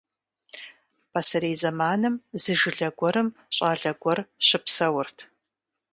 Пасэрей зэманым зы жылэ гуэрым щӀалэ гуэр щыпсэурт.